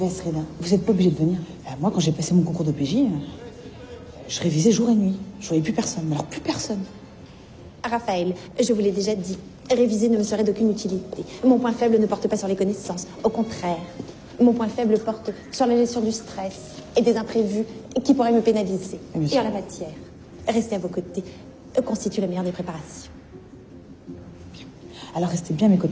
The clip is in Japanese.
はい。